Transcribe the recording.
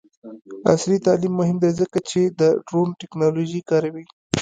عصري تعلیم مهم دی ځکه چې د ډرون ټیکنالوژي کاروي.